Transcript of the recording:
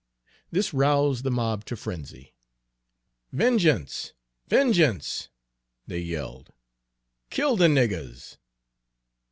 This roused the mob to frenzy. "Vengeance! vengeance!" they yelled. "Kill the niggers!"